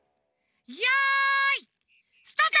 よいスタート！